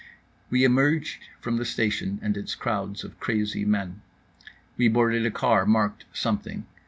We emerged from the station and its crowds of crazy men. We boarded a car marked something.